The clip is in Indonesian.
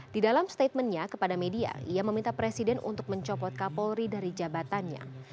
di dalam statementnya kepada media ia meminta presiden untuk mencopot kapolri dari jabatannya